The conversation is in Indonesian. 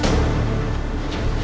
tidak ada apa